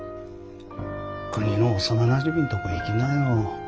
「くにの幼なじみんとこ行きなよ。